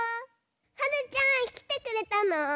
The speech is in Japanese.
はるちゃんきてくれたの？